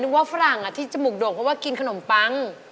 ว่าฝรั่งที่จมูกโด่งเพราะว่ากินขนมปัง